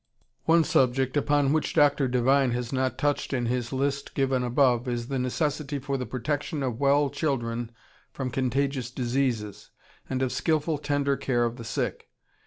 ] One subject, upon which Dr. Devine has not touched in his list given above, is the necessity for the protection of well children from contagious diseases, and of skilful, tender care of the sick.